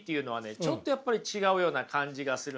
ちょっとやっぱり違うような感じがするんですね。